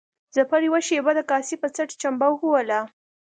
ظفر يوه شېبه د کاسې په څټ چمبه ووهله.